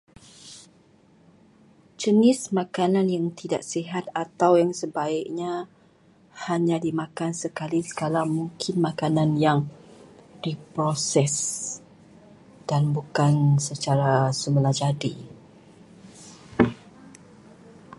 Jenis makanan yang tidak sihat atau yang sebaiknya dimakan sekali-sekala, mungkin makanan yang diproses, dan bukannya secara semula jadi.